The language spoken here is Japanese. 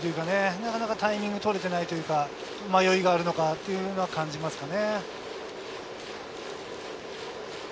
なかなかタイミングが取れていないというか、迷いがあるのかそういうのを感じますね。